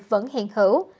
vẫn hiện hữu